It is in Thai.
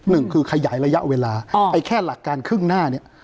หนึ่งคือขยายระยะเวลาไอ้แค่หลักการครึ่งหน้าเนี่ย